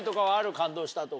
感動したとか。